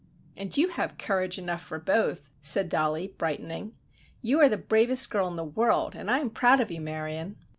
"And you have courage enough for both," said Dollie, brightening. "You are the bravest girl in the world, and I am proud of you, Marion!"